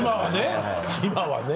今はね